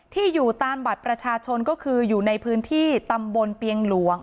อยู่ตามบัตรประชาชนก็คืออยู่ในพื้นที่ตำบลเปียงหลวง